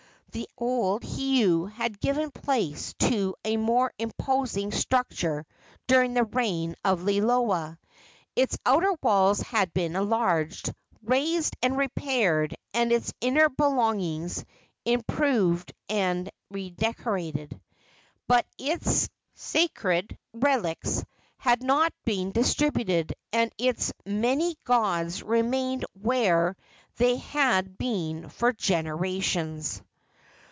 The old heiau had given place to a more imposing structure during the reign of Liloa. Its outer walls had been enlarged, raised and repaired, and its inner belongings improved and redecorated; but its sacred relics had not been disturbed, and its many gods remained where they had been for generations.